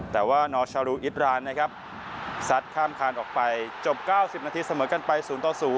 แต่ว่านอชารูอิตรานนะครับซัดข้ามคานออกไปจบ๙๐นาทีเสมอกันไป๐ต่อ๐